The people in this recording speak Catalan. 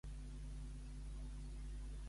Què passa si té lloc una abstenció de Ciutadans?